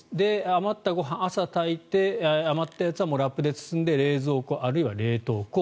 余ったご飯朝炊いて余ったやつはラップで包んで冷蔵庫あるいは冷凍庫。